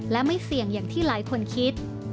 และไม่เสี่ยงอย่างที่หลายคนคิด